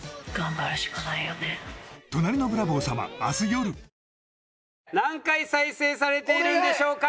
おいしさプラス何回再生されているんでしょうか。